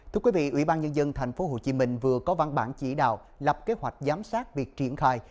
thưa quý vị ủy ban nhân dân tp hcm vừa có văn bản chỉ đạo lập kế hoạch giám sát việc triển khai